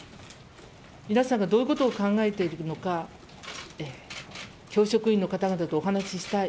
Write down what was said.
皆さんがどういうことを考えているのか教職員の方々とお話ししたい。